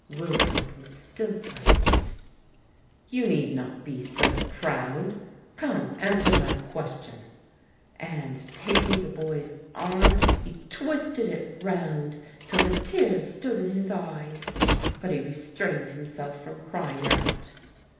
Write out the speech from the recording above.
Wilfred was still silent. "You need not be so proud; come answer my question," and taking the boy's arm he twisted it round till the tears stood in his eyes, but he restrained himself from crying out.